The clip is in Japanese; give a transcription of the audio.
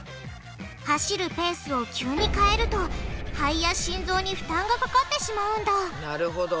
走るペースを急に変えると肺や心臓に負担がかかってしまうんだなるほど。